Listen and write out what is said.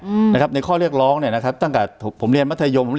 อืมนะครับในข้อเรียกร้องเนี่ยนะครับตั้งแต่ผมเรียนมัธยมผม